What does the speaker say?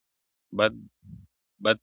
o بد په سلام نه ورکېږي!